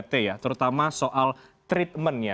terutama soal treatmentnya